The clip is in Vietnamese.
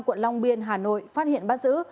quận long biên hà nội phát hiện bắt giữ